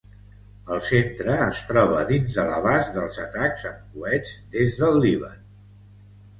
El centre es troba dins de l'abast dels atacs amb coets des del Líban.